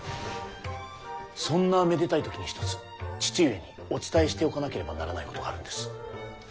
そんなめでたい時に一つ父上にお伝えしておかなければならないことがあるんです。